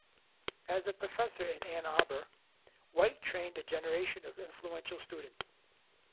As a professor in Ann Arbor, White trained a generation of influential students.